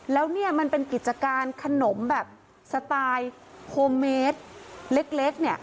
แล้วเนี่ยมันเป็นกิจการขนมแบบสไตล์โฮมเมดเล็กเนี่ย